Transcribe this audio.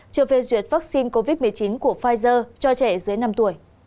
chưa phê duyệt vaccine covid một mươi chín của pfizer cho trẻ dưới năm tuổi